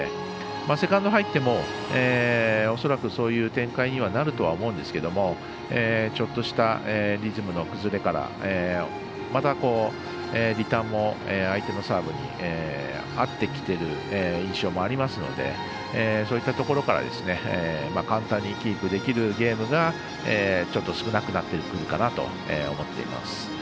セカンド入っても、恐らくそういう展開にはなるとは思うんですがちょっとしたリズムの崩れからまた、リターンも相手のサーブに合ってきている印象もありますのでそういったところから簡単にキープできるゲームがちょっと少なくなってくるかなと思っています。